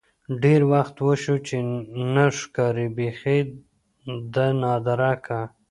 ډېر وخت وشو چې نه ښکارې بيخې ده نادركه.